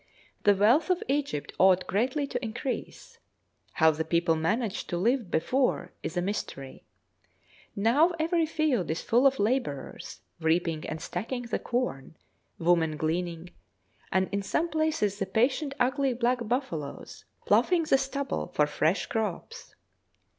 The wealth of Egypt ought greatly to increase. How the people managed to live before is a mystery. Now every field is full of labourers reaping and stacking the corn, women gleaning, and in some places the patient, ugly black buffaloes ploughing the stubble for fresh crops.